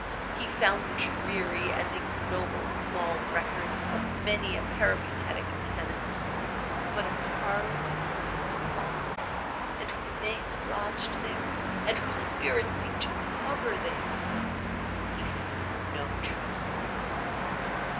He found dreary and ignoble small records of many a peripatetic tenant; but of her whom he sought, and who may have lodged there, and whose spirit seemed to hover there, he found no trace.